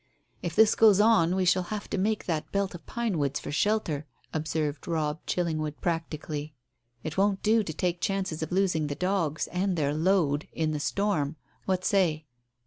"If this goes on we shall have to make that belt of pinewoods for shelter," observed Robb Chillingwood practically. "It won't do to take chances of losing the dogs and their load in the storm. What say?"